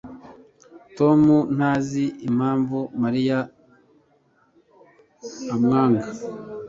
Tom ntazi impamvu Mariya amwanga